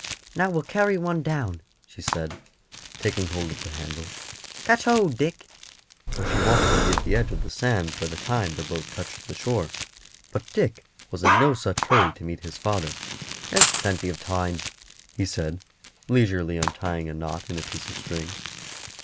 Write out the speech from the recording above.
"Now we'll carry one down," she said, taking hold of the handle. "Catch hold, Dick;" for she wanted to be at the edge of the sands by the time the boat touched the shore. But Dick was in no such hurry to meet his father. "There's plenty of time," he said, leisurely untying a knot in a piece of string.